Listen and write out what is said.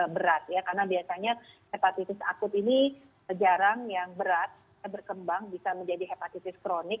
berat ya karena biasanya hepatitis akut ini jarang yang berat berkembang bisa menjadi hepatitis kronik